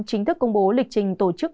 chính thức công bố lịch trình tổ chức